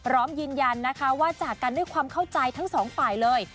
พร้อมยืนยันนะคะว่าจากกันด้วยความเข้าใจทั้งสองฝ่ายเลย